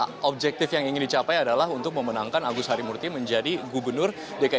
ya sudah pasti rian objektif yang ingin dicapai adalah untuk memenangkan agus harimurti menjadi gubernur dki jakarta